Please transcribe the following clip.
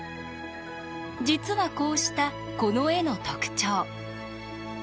実はこうしたこの絵の特徴。